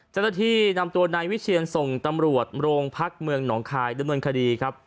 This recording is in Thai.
เจ้าหน้าที่นำตัวนายวิเชียนส่งตำรวจโรงพักเมืองหนองคายดำเนินคดีครับ